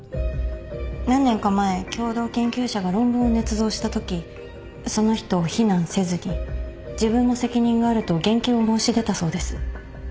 何年か前共同研究者が論文を捏造したときその人を非難せずに自分も責任があると減給を申し出たそうです。